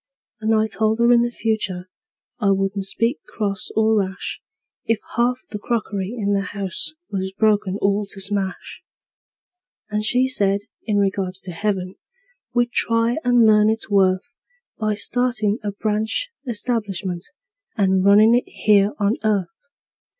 And I told her in the future I wouldn't speak cross or rash If half the crockery in the house was broken all to smash; And she said, in regards to heaven, we'd try and learn its worth By startin' a branch establishment and runnin' it here on earth.